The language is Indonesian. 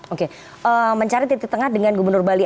oke mencari titik tengah dengan gubernur bali